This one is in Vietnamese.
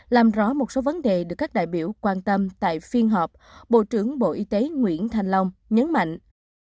làm rõ một số vấn đề được các đại biểu quan tâm tại phiên họp bộ trưởng bộ y tế nguyễn thanh long nhấn mạnh